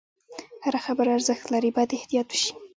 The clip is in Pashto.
هره خبره ارزښت لري، باید احتیاط وشي.